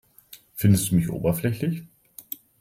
Findest du mich oberflächlich?